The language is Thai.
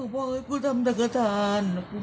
พ่อให้กูทำสังกฐาน